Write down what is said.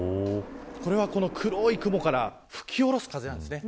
これは、この黒い雲から吹き下ろす風です。